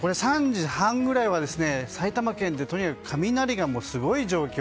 ３時半ぐらいは埼玉県でとにかく雷がすごい状況。